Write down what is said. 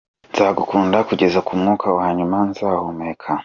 Nzagukunda kugeza ku mwuka wa nyuma nzahumeka”.